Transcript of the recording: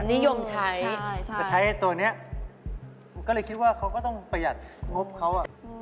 นิยมใช้แต่ใช้ตัวนี้ก็เลยคิดว่าเขาก็ต้องประหยัดงบเขา